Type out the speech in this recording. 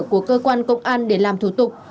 của cơ quan công an để làm thủ tục